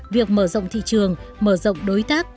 việc mở rộng thị trường mở rộng đối tác